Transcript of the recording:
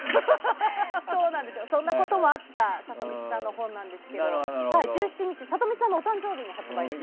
そんなこともあったサトミツさんの本なんですが１７日、サトミツさんのお誕生日に販売です。